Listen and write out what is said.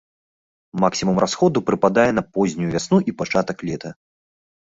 Максімум расходу прыпадае на познюю вясну і пачатак лета.